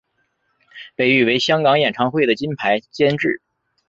被誉为香港演唱会的金牌监制。